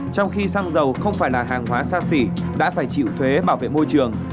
trong khi xăng dầu không phải là hàng hóa xa xỉ đã phải chịu thuế bảo vệ môi trường